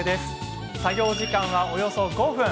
作業時間は、およそ５分。